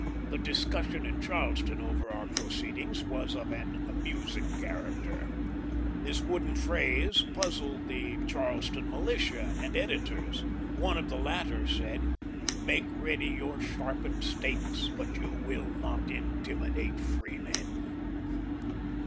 The dis cussion in Charleston over our proceedings was of an amusing character. This wooden f raise puzzled the Charleston militia and editors ; one of the latter said, " Make ready your sharpened stakes, but you will not intimidate freemen."